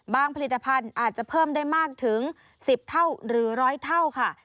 ผลิตภัณฑ์อาจจะเพิ่มได้มากถึง๑๐เท่าหรือ๑๐๐เท่าค่ะ